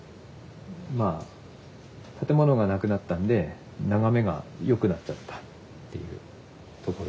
まあ建物がなくなったんで眺めがよくなっちゃったっていうところですね。